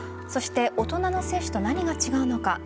そして大人の接種と何が違うのか。